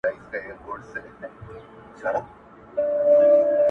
اوس به د چا منتر ته ناڅي سره او ژړ ګلونه!.